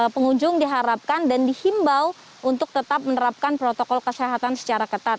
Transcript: pengunjung diharapkan dan dihimbau untuk tetap menerapkan protokol kesehatan secara ketat